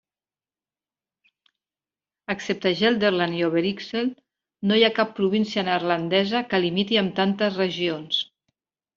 Excepte Gelderland i Overijssel, no hi ha cap província neerlandesa que limiti amb tantes regions.